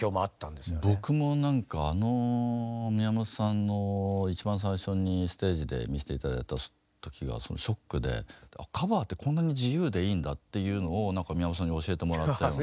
僕もなんかあの宮本さんの一番最初にステージで見せて頂いた時がショックでカバーってこんなに自由でいいんだっていうのを宮本さんに教えてもらったような。